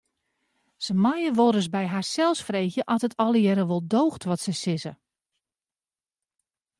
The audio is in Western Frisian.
Se meie wolris by harsels freegje oft it allegearre wol doocht wat se sizze.